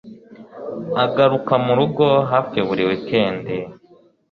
Agaruka murugo hafi buri wikendi